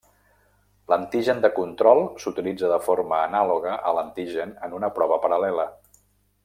L'antigen de control s'utilitza de forma anàloga a l'antigen en una prova paral·lela.